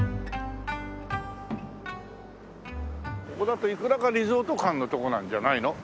ここだといくらかリゾート感のとこなんじゃないの。